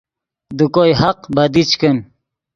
دے کوئے حق بدی چے کن